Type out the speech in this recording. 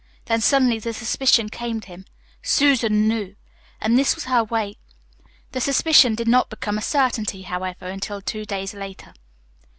Then suddenly the suspicion came to him SUSAN KNEW. And this was her way The suspicion did not become a certainty, however, until two days later.